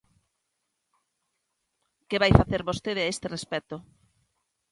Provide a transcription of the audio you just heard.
¿Que vai facer vostede a este respecto?